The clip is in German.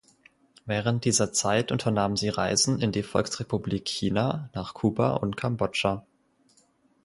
Während dieser Zeit unternahm sie Reisen in die Volksrepublik China, nach Kuba und Kambodscha.